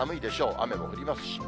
雨も降りますし。